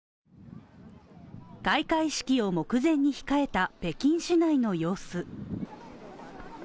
開会式を目前に控えた北京市内の様子。